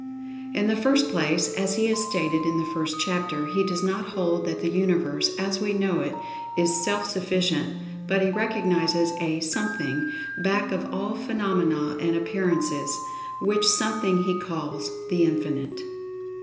In the first place, as he has stated in the first chapter, he does not hold that the Universe, as we know it, is self sufficient, but he recognizes a Something back of all phenomena and appearances, which Something he calls "The Infinite."